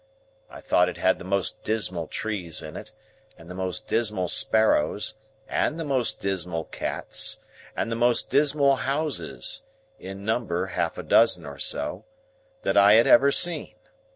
I thought it had the most dismal trees in it, and the most dismal sparrows, and the most dismal cats, and the most dismal houses (in number half a dozen or so), that I had ever seen.